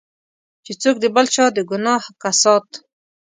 چې څوک د بل چا د ګناه کسات.